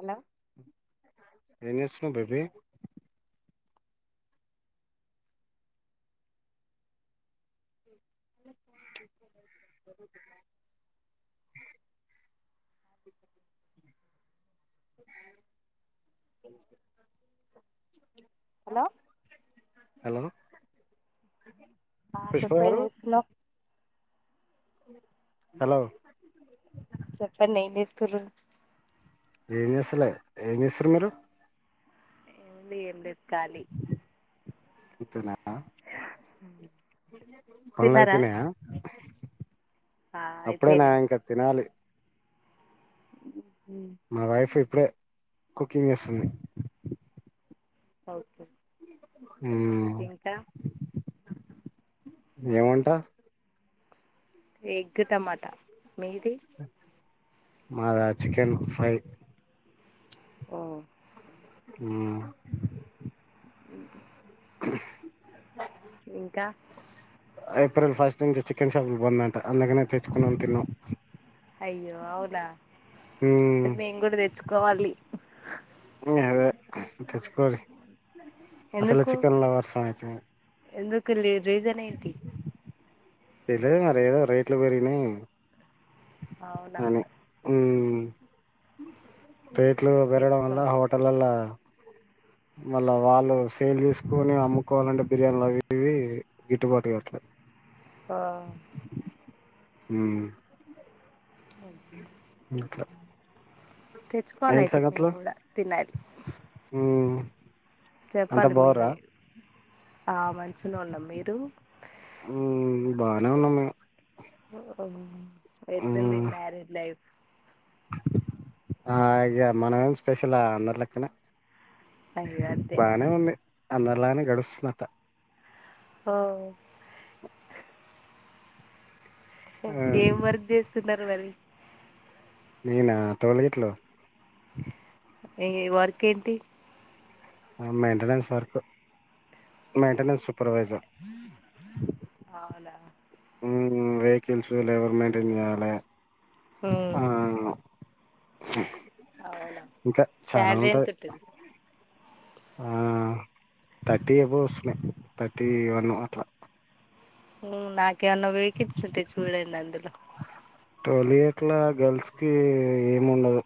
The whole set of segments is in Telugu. హలో ఏస్తుిన బబ [unintelligible] హలో హలో ఆ పుష్ప చెప్పు గారు ఎంచేస్తున్నావ్ హలో చెప్పుకోవచ్చు ఏంచేస్తుండ్రు ఏంచేస్తలే ఎంచేస్తుంద్రూ మీరు ఎంలె కాలీ ఇప్పలా తిన్నారా పనులైపోయినయా ఆ అప్పుడేనా అయిపోయినాయి ఇంకా తినాలి ఉ మ వైఫ్ ఇ ప్పుడే కుకింగ్ వేస్తుంది ఓకే ఇంకా ఏమంటా ఎగ్ టమాటా మీది మాదా చికెన్ ఫ్రై ఓ ఉ ఇంకా ఏప్రిల్ ఫస్ట్ నుంచి చికెన్ షాపులు బంద్ అంట అందుకనే తెచ్చుకునం తిన్నాం అయ్యో అవునా మ్మ్. మెంగూడ త చ్చుకోవాలి తెచ్చకో ఎందుకు ఎందుకు రీజన్ ఏంటి తెలేదు మరి ఏదో రేట్లు పెరిగినయి అవునా ఉ రేట్లు పెరగడం తెచ్చుకోం వల్ల హోటలల్ల మళ్ళా వాళ్ళు సేల్ దీసుకొని అమ్ముకోవాలంటే బిర్యానీలు అవి ఇవి గిట్టుబాటుకావట్లే ఆ ఉ ఓకే అక తెచ్చుకోవాల అయితే మేము కూడా తినాలి ఉమ్ అంతా చెప్పాలి బాగుర్రా మీరే ఆ మంచిలో వాళ్ళం మీరు బానే ఉన్నా మ ఓ ఎట్లుంది మ్యారిడ్ లైఫ్ ఆ ఇగమనమేం ఏం స్పెషల అందరి లెక్కనే అయ్యో అంతేనా అందరిలానే గడుస్తున్నత అఓ ఆ ఏం వర్క్ జేస్తున్నారు మరి నేనా తోల ఇట్లు ఏ వర్క్ ఏంటి మెయింటెనెన్స్ వర్కు మెయింటెనెన్స్ సూపర్వైజర్ అవునా మ్ వెకిల్స్ లేబర్ మెయింటైన్ చేయాలె ఉమ్ ఆ అవునా ఇంకా చాలా శాలరీ ఉంటది. ఎంత ఆ తర్టీ అబొవె వస్తున్నాయి. థర్టీ వన్ అట్ల మ్ నాకేమన్న వేకన్సీ ఉంటే చూడండి అందులో టోల్ గేట్లా గర్ల్స్కి ఏం ఉండదు.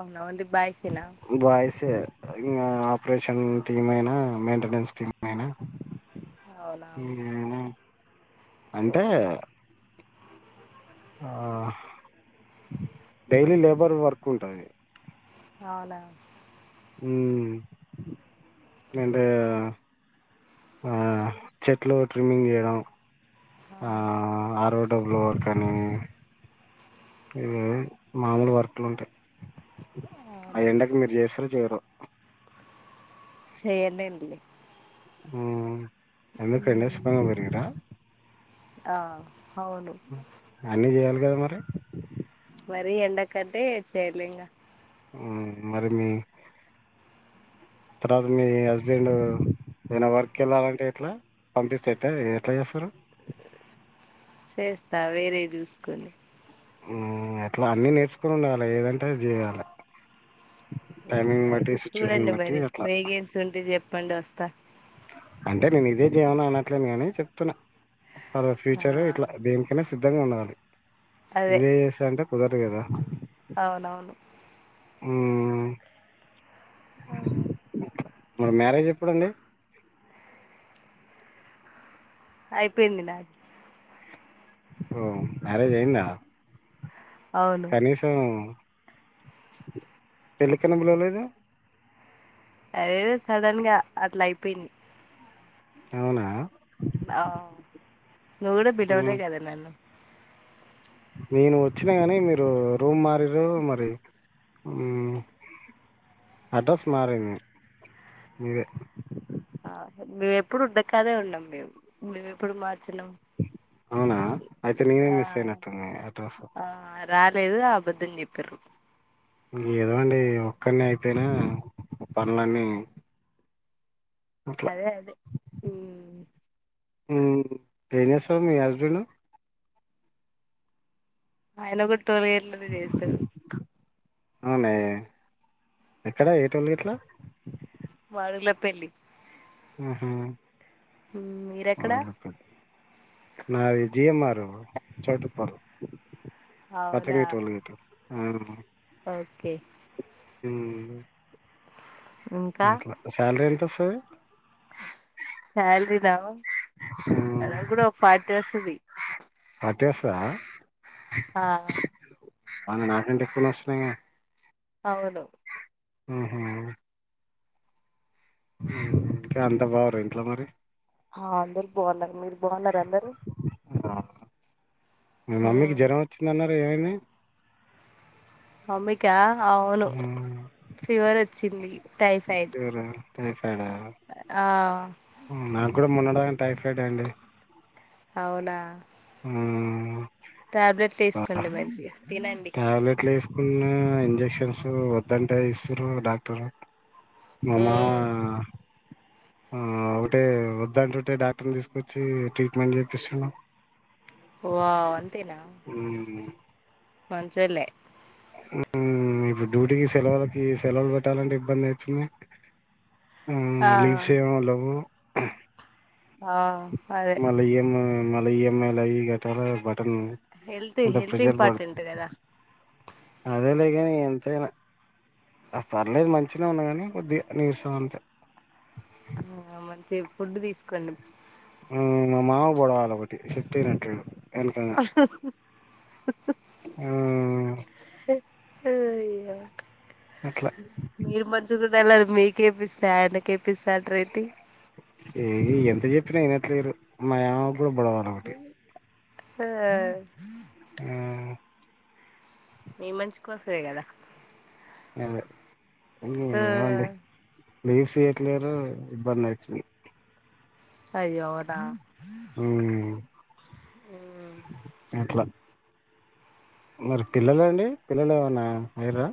అవునా ఓన్లీ బాయ్స్ బాయ్సే ఇంకా ఆపరేషన్ టీమ్ అయినా మెయింటెనెన్స్ టీమ్ అయినా అవునా ఇంగేనా అంటే ఆ డైలీ లేబర్ వర్క్ ఉంటది. అవునా మ్... అంటే ఆ చెట్లు ట్రిమ్మింగ్ చేయడం. ఆ ఆ రో డబ్లో వర్కని ఇ మామూల్ వర్క్లు ఉంటయి. అ అవునా ఎండకి మీరు చేస్తారో చేయరో చేయనండి. మ్ ఎందుకు ఎండె సుఖంగా పెరిగరా ఆ అవును. గదా మరి మరి ఎందుకంటే చేర్లేంగా మ్ మరి మీ తర్వాత మీ హస్బెండ్ ఏదన్న వర్కెళ్ళాలంటే ఎట్లా పంపిస్తే ఎట్లా చేస్తారు. చేస్తా వేరే చూస్కొని. హ్మ్ ఎట్ల అన్ని నేర్చుకొని ఉండలె ఏదంటే అద్ చేయాలె. అయితే అట్లా సూ ప్పండ్ ఒస్త అంటే నేన్ ఇదే చేయమని అన్నట్లే అదో ఫ్యూచర్ ఆ ఇట్లా దేనికన్న సిద్ధంగా ఉండాలి. అదే ఇదే చేస్తా అంటే కుదరదు కదా అవునవును అ అవును మ మ్యారేజ్ ఎప్పుడండి అయిపోయింది నాది ఓ మ్యారేజ్ అయిందా అవును కనీసం పెళ్లికనా పిలవలేదు అదేద సడన్ గా అట్లా అయిపోయింది అవునా ఆ నువ్వు కూడా పిలవలే మ్మ్. కదా నన్ను నేను వచ్చినా కానీ మీరు రూమ్ మారారు మరి అడ్రస్ మార మీ మీదే ఆ మేము ఎప్పుడు ఉన్నాకాదే ఉన్నాం మేము మేము ఎప్పుడు మా అవునా అయితే నేనే ఆ మిస్ అయినట్టుంన అడ్రస్ ఆ రాలేదు ఆ అబద్ధం చెప్పారు ఇం ఏదో అండి ఒక్కని అయిపోయినా పనులన్నీ అట్లా అదే అదే హ ఏం చేస్తాడు మీ హస్బెండ్ ఆయనకుడ [inaudible] చేస్తాడు అవునా ఎక్కడ ఎటిమే గట్లా వాళ్ళల పెళ్లి ఆ ఉమ్, మీరెక్కడ నా నాది జి ఎమ్ ఆర్ చోటు పర్ పచ్చంగ అవునా టోల్గేట్ అవును ఓకే ఇంకా మలా సాలరీ ఎంత స శాలరీనా అద కూడా ఒక ఫార్టీ వస్తుంది అట్టేసా ఆ నాకంటి [inaudible] అవును హ హ హు, కా అంత బావుర ఇంట్లో మరి హా అందరు బాఉన్నరు. మీరు బావున్నర అందరు మమ్మకి జ్వరం వచ్చిందననర్ కు ఏవైంది మమ్మికా అవును, మ్మ్ ఫీవర్ వచ్చింది టైపైడ్, ఫీవరా టైఫాయిడా క్ఆ మొన్న డాకన్ టైఫైడ్ అండి అవునా ఆ టాబ్లెట్లు తీసుకోండి మంచిగా తినండి. కున్న ఇంజెక్షన్స్ వద్దంటే ఎస్సిరు డాక్టరు మా మావ ఉమ్, ఆ ఒకటే వద్దంటుంటే డాక్టర్ని తీసుకొచ్చి ట్రీట్మెంట్ చేపిస్సున్న్ నాకు వావ్ ఉ మంచొల్లే హు, ఇప్పుడు డ్యూటీకి సెలవులకి, సెలవులు పెట్టాలంటే ఇబ్బంది అయ్ తుంది. హు ఆ లీవ్స్ ఏం ఉల్లవు. ఆ ఆ అదే మల ఇయమ్ మల ఇ ఎమ్ లయి కట్టల హెల్త్ హెల్త్ ఇంపార్టెంట్ కదా. అదే లేగాని ఎంతైనా, అ పర్లేదు మంచినే ఉన్నా కాని కొద్దిగా నీర్సం అంతే ఫుడ్డు తీస్ కన్నుం మ మామకు బొడవాలొ ఒస్సర్, ఆ అట్లా మీరు మంచు [unintelligible] మీకేపిస్ ఫ్యాని కి పిసాద్ రేటి ఏ ఎంత చెప్పిన ఇనట్లేరు మాయవ్ కుడ బడల అదొకటి ఆ ఆ మీ మంచి కోసమే కదా అదే ఆ ఏమండి లీవ్స్ ఇయ్యట్లేరు ఇబ్బంది వచ్చింది అయ్యోదా ఉమ్ ఉమ్ అట్లా మరి పిల్లలండి పిల్లలు ఏమన్న అయిర్రా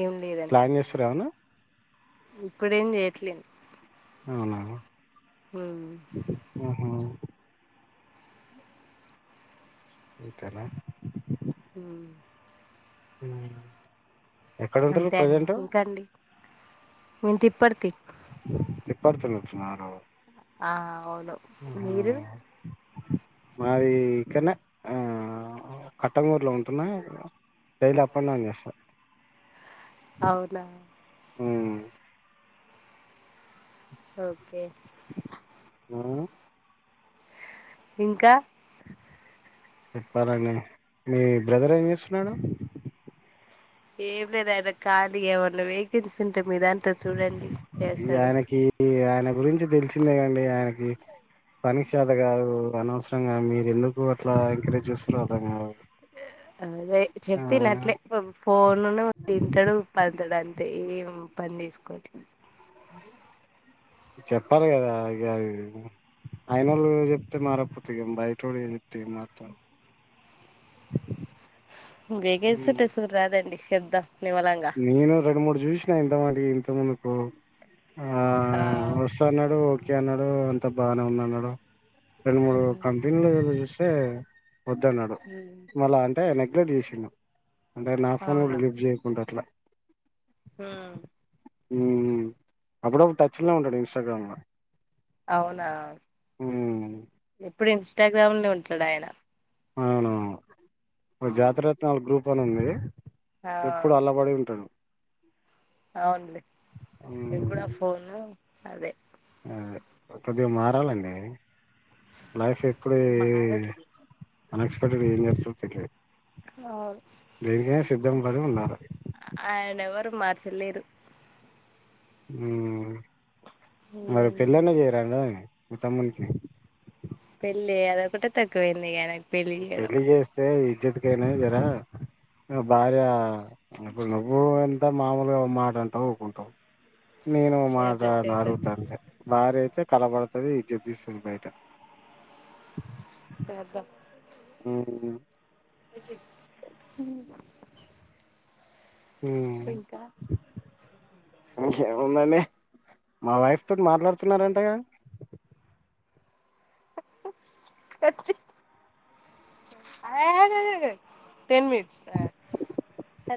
ఏం లేదండి ఇప్పుడేం చేయట్లేదు అవునా ఉమ్ ఆహా ఇతలా ఉమ్ ఉమ్ అంతే అండి ఇంకాండి ఇంతిప్పటి త ఎప్పడు తెలుతున్నారు ఆ అవును మీరు మాది ఇక్కనే కట్టంగూర్లో ఉంటున్న డైలీ అప్ అండ్ డౌన్ చేస్తా అవునా హ్మ్ ఓకే ఆ ఇంకా చెప్పాలండి మీ బ్రదర్ ఏం చేస్తున్నాడు ఏం లేదాయద కాలిగా ఏవన్న వేకెన్సీ ఉంట ఉంటే మీ దాంతో చూడండి ఈ చేస్తాడు ఆయనకి ఆయన గురించి తెలిసిందే కాండి ఆయనకి పని చేత కాదు అనవసరంగా మీరు ఎందుకు అట్లా ఎంకరేజ్ చేస్తుండ్రో అర్థం కాదు అదే ఆ చెప్పిందీ న్నట్లే ఫోను తింటాడు పంతాడు అంతే పని చేసుకోటి చెప్పాలి కదా ఇక అవి అయిన వాళ్ళు చెప్తే మారకపోతే ఏ బయట వోడు ఏ చెప్తే ఏ మారుతాడు వేగే చట్టే సరు రాదండి చెప్తా నేను రెండు మూడు చూసినా ఎంత మాట ఇంత ముందుకు ఆ ఆ వస్తా అన్నాడు ఓకే అన్నాడు ఆ అంత బాగానే ఉందన్నాడు రెండు మూడు ఉమ్ కంపెనీలూ టే వద్దున్నాడు మళ్ళ అ ఎ నెగ్లట్ చేసిండు అంటే నా ఫోన్ కూడా లిఫ్ట్ జే ట్లా ఉఉ ఉ అప్పుడప్పుడు టచ్ లో ఉంటాడు ఇన్స్టాగ్రామ్ లో అవునా మ్మ్ ఎప్పుడ ఇన్స్టాగ్రామ్ లో ఉంటాడాయన అవునువును జాతిరత్నాల గ్రూప్ పప్పనుంది ఎప్పుడు అల్లబడి ఉంటాడు అవున్లే మ్మ్ ఎప్పుడు ఫోను అదే కొద్దిగా మారాలండి లైఫ్ ఎప్పుడు ఏ మారడు అన్ ఎక్సపెక్టెడ్ ఏం చేస్తతిలి అవును దేనికైన సిద్ధం పడి ఉండాలి మార్చల్లేరు ఉ మరి పెళ్లైన చేయరాదా మా తమ్మునికి కి లే అద కుట్ట తక్కువంది క పెళ్ళ జేస్తే ఇజ్జత్ నా జరా భార్య ఇప్పుడు నువ్వు ఎంత మామూలుగా ఉమ్మాటంటావు ఊకుంటావు నేను మాట చేద్దాం చేద్దాం నడుగు తంతే భార కలబడుతది ఇజత్ తీస్తది బయట ఉ ఉ ఉ ఇంకా ఇంకేముందండి మా వైఫ్ తోటి మాట్లాడుతున్నారంటగా వచ్చి ఆ టెన్ మినిట్స్